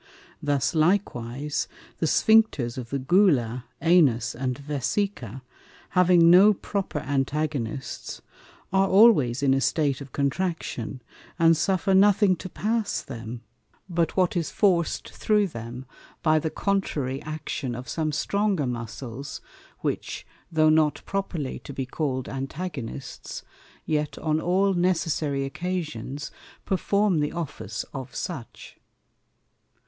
Thus likewise the Sphincters of the Gula, Anus and Vesica, having no proper Antagonists, are always in a State of Contraction, and suffer nothing to pass them, but what is forced through them by the contrary Action of some stronger Muscles, which, though not properly to be call'd Antagonists, yet on all necessary Occasions perform the Office of such.